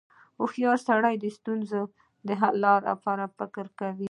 • هوښیار سړی د ستونزو د حل لپاره فکر کوي.